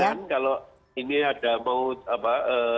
jadi kemungkinan kalau ini ada mau apa